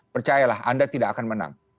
percayalah anda tidak akan menang